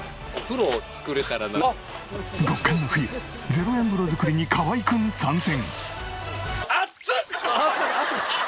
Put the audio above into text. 極寒の冬０円風呂作りに河合君参戦。